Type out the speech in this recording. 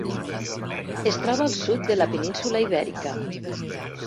Es troba al sud de la península Ibèrica.